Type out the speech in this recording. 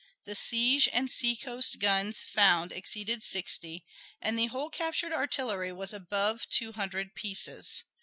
The siege and seacoast guns found exceeded sixty, and the whole captured artillery was above two hundred pieces.